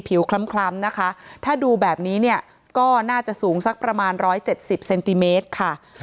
คล้ำนะคะถ้าดูแบบนี้เนี่ยก็น่าจะสูงสักประมาณ๑๗๐เซนติเมตรค่ะ